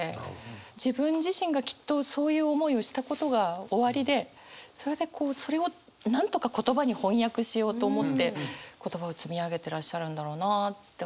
自分自身がきっとそういう思いをしたことがおありでそれでこうそれをなんとか言葉に翻訳しようと思って言葉を積み上げてらっしゃるんだろうなって思って。